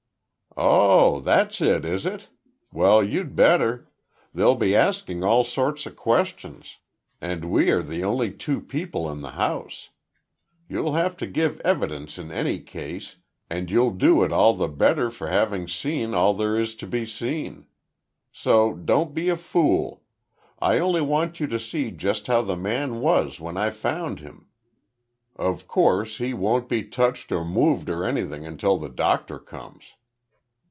"Oh, that's it is it? Well you'd better. They'll be asking all sorts of questions and we are the only two people in the house. You'll have to give evidence in any case, and you'll do it all the better for having seen all there is to be seen. So, don't be a fool. I only want you to see just how the man was when I found him. Of course he won't be touched or moved or anything until the doctor comes."